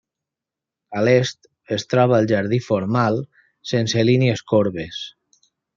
A l'est es troba el jardí formal, sense línies corbes.